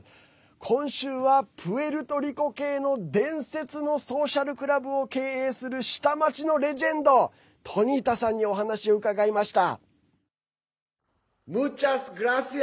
今週はプエルトリコ系の伝説のソーシャルクラブを経営する下町のレジェンドトニータさんにお話を伺いました。